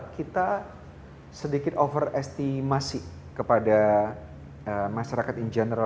kita sedikit overestimasi kepada masyarakat in general